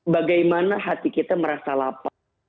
bagaimana hati kita merasa lapar